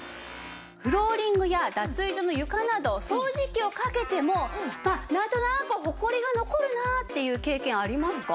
フローリングや脱衣所の床など掃除機をかけてもなんとなくホコリが残るなっていう経験ありますか？